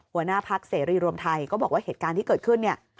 หัวหน้าพักเสรีรวมไทยก็บอกว่าเหตุการณ์ที่เกิดขึ้นเนี่ย